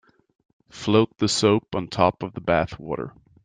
Float the soap on top of the bath water.